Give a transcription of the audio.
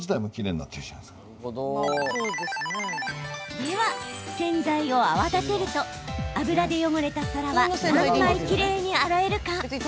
では洗剤を泡立てると油で汚れた皿は何枚きれいに洗えるか。